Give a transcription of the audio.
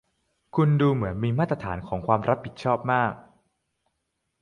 คุณดูเหมือนมีมาตรฐานของความรับผิดชอบมาก